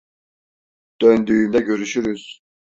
Döndüğümde görüşürüz.